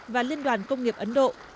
và liên đoàn công nghiệp ấn độ